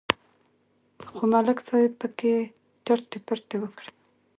خو ملک صاحب پکې ټرتې پرتې وکړې